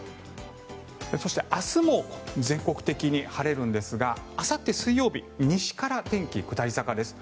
そして明日も全国的に晴れるんですがあさって水曜日西から天気、下り坂です。